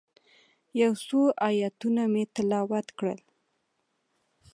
یو څو آیتونه مې تلاوت کړل.